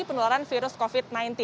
penularan virus covid sembilan belas